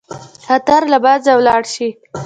خطر له منځه ولاړ شي.